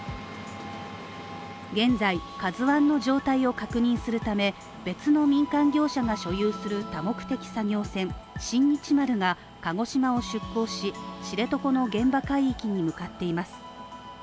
現在「ＫＡＺＵ１」の状態を確認するため、別の民間業者が所有する多目的作業線「新日丸」が鹿児島を出港し、知床の現場海域に向かっています。